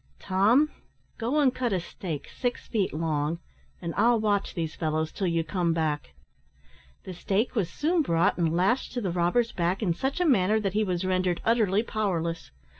"Tom, go and cut a stake six feet long, and I'll watch these fellows till you come back." The stake was soon brought and lashed to the robber's back in such a manner that he was rendered utterly powerless.